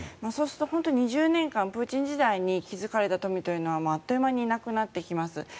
そうすると本当に２０年間プーチン時代に築かれた富というのはあっという間になくなってきます。